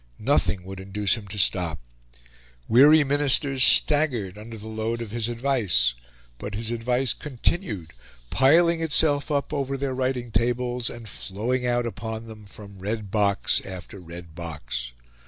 Nothing would induce him to stop. Weary ministers staggered under the load of his advice; but his advice continued, piling itself up over their writing tables, and flowing out upon them from red box after red box.